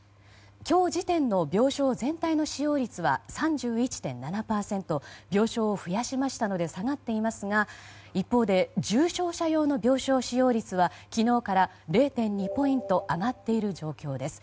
今日時点の病床全体の使用率は３７．１％病床を増やしましたので下がっていますが一方で重症者用の病床使用率は昨日から０．２ポイント上がっている状況です。